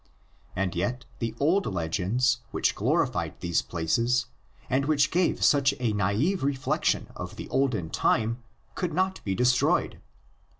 And yet the old legends which glorified these places and which gave such a naive reflexion of the olden time, could not be destroyed.